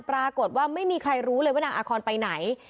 ปรากฏว่าไม่มีใครรู้เลยว่านางอาคอนไปไหน